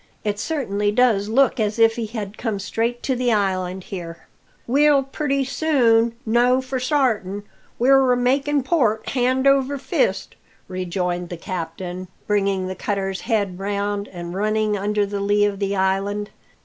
"It certainly does look as if he had come straight to the island here." "We'll purty soon know for sartin; we're a makin' port hand over fist," rejoined the captain, bringing the cutter's head round, and running under the lee of the island.